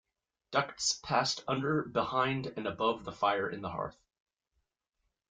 Ducts passed under, behind, and above the fire in the hearth.